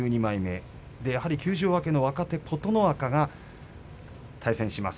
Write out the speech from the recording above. やはり休場明けの若手琴ノ若が対戦します。